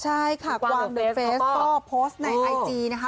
ใช่ค่ะกวางบนเฟสก็โพสต์ในไอจีนะคะ